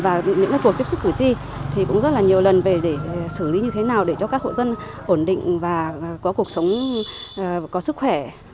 và những cuộc tiếp xúc cử tri thì cũng rất là nhiều lần về để xử lý như thế nào để cho các hộ dân ổn định và có cuộc sống có sức khỏe